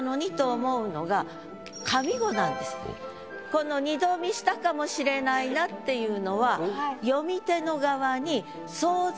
この二度見したかもしれないなっていうのは。